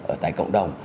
ở tại cộng đồng